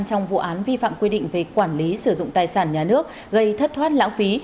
trong vụ án vi phạm quy định về quản lý sử dụng tài sản nhà nước gây thất thoát lãng phí